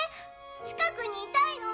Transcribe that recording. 近くにいたいの。